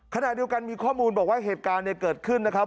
ขณะเดียวกันมีข้อมูลบอกว่าเหตุการณ์เกิดขึ้นนะครับ